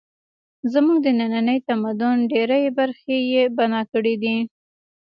زموږ د ننني تمدن ډېرې برخې یې بنا کړې دي